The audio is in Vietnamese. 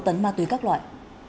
một sáu tấn ma túy các loại